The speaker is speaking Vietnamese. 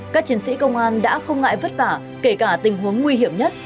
các chiến sĩ công an đã không ngại vất vả kể cả tình huống nguy hiểm nhất